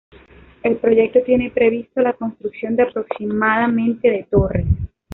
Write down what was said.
El proyecto tiene previsto la construcción de aproximadamente de torres